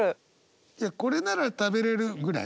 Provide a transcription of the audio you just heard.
いや「これなら食べれる」ぐらい？